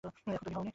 এখনো তৈরি হস নি?